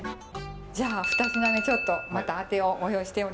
じゃあ二品目ちょっとまたあてをご用意しておりますので。